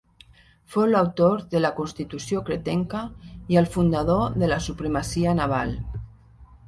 Fou l'autor de la constitució cretenca i el fundador de la supremacia naval.